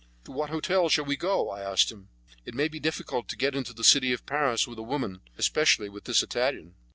"To what hotel shall we go?" I asked him. "It may be difficult to get into the City of Paris with a woman, especially with this Italian."